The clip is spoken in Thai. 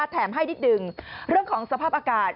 แถมให้นิดหนึ่งเรื่องของสภาพอากาศ